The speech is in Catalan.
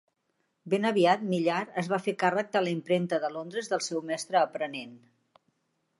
Ben aviat, Millar es va fer càrrec de la impremta de Londres del seu mestre aprenent.